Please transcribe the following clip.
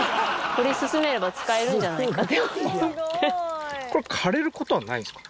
掘り進めれば使えるんじゃないかと。